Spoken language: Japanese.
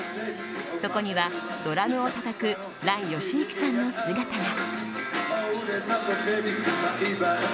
そこにはドラムをたたく嵐ヨシユキさんの姿が。